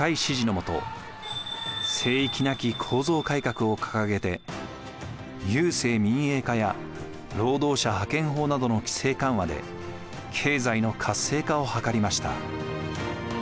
「聖域なき構造改革」を掲げて郵政民営化や労働者派遣法などの規制緩和で経済の活性化を図りました。